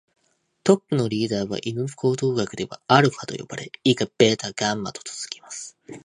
トップのリーダーは犬の行動学ではアルファと呼ばれ、以下ベータ、ガンマと続きます。